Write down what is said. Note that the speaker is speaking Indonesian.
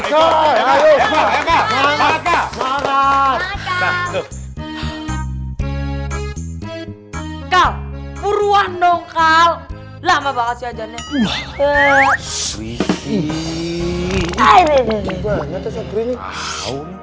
kau puruan dong kau lama banget ya jenis